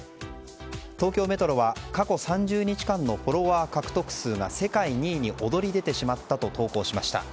東京メトロは過去３０日間のフォロワー獲得数が世界２位に躍り出てしまったと投稿しました。